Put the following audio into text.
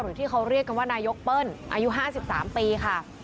หรือที่เขาเรียกกันว่านายกเปิ้ลอายุ๕๓ปีค่ะ